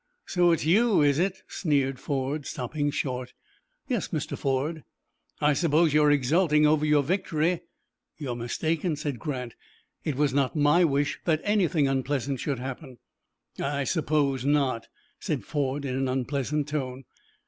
"So it's you, is it?" sneered Ford, stopping short. "Yes, Mr. Ford." "I suppose you are exulting over your victory?" "You are mistaken," said Grant. "It was not my wish that anything unpleasant should happen." "I suppose not," said Ford, in an unpleasant tone.